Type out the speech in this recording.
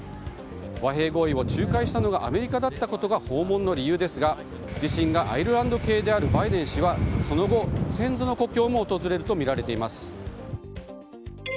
和平合意を仲介したのがアメリカだったことが訪問の理由ですが自身がアイルランド系であるバイデン氏はその後、先祖の故郷も訪れるとみられています。